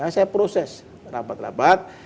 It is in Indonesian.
saya proses rapat rapat